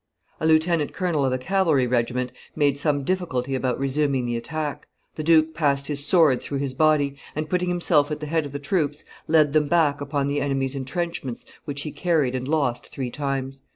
A lieutenant colonel of a cavalry regiment made some difficulty about resuming the attack: the duke passed his sword through his body, and, putting himself at the head of the troops, led them back upon the enemy's intrenchments which he carried and lost three times.